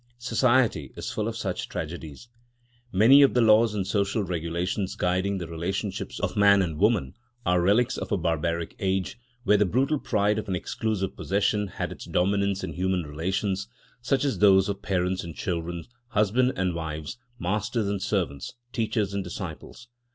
Society is full of such tragedies. Many of the laws and social regulations guiding the relationships of man and woman are relics of a barbaric age, when the brutal pride of an exclusive possession had its dominance in human relations, such as those of parents and children, husbands and wives, masters and servants, teachers and disciples.